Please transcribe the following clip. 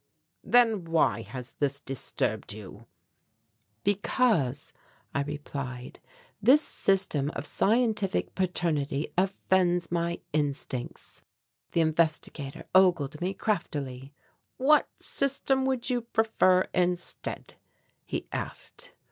"Then why has this disturbed you?" "Because," I replied, "this system of scientific paternity offends my instincts." The investigator ogled me craftily. "What system would you prefer instead?" he asked.